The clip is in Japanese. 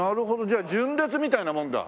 じゃあ純烈みたいなもんだ。